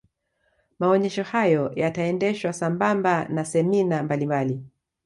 maonyesho hayo yataendeshwa sambamba na semina mbalimbali